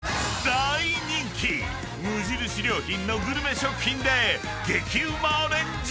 ［大人気無印良品のグルメ食品で激うまアレンジ！］